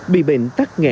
bị bệnh tắc nghệp